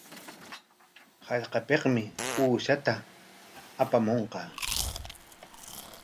Hallqapikmi uqshata apamunqa.